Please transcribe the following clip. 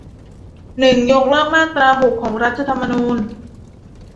หนึ่ง ยกเลิกมาตราหก ของรัฐธรรมนูญ